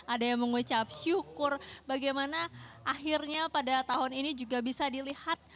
ada yang mengucap syukur bagaimana akhirnya pada tahun ini juga bisa dilihat